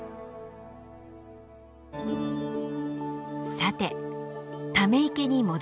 さてため池に戻りましょう。